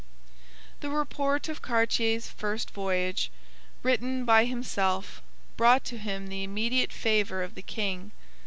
The report of Cartier's first voyage, written by himself, brought to him the immediate favour of the king.